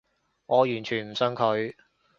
我完全唔信佢